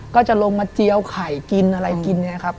ก็จะลงมาเจียวไข่กินอะไรกินเนี่ยครับ